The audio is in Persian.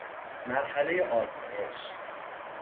مرحله آزمایش